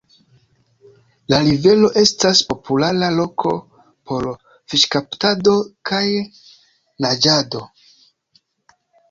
La rivero estas populara loko por fiŝkaptado kaj naĝado.